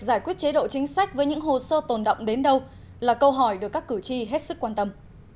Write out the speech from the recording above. giải quyết chế độ chính sách với những hồ sơ tồn động đến đâu là câu hỏi được các cử tri hết sức quan tâm